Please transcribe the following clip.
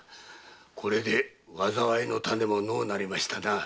これで災いの種ものうなりましたなあ。